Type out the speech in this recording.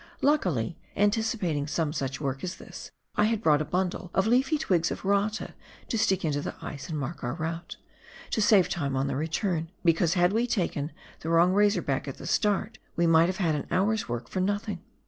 Luckily, anticipating some such work as this, I had brought a bundle of leafy twigs of rata to stick into the ice and mark our route, to save time on the return, because had we taken the wrong razor back at the start, we might have had an hour's work for nothing.